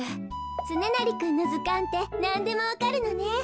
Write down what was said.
つねなりくんのずかんってなんでもわかるのね。